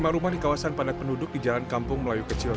lima rumah di kawasan padat penduduk di jalan kampung melayu kecil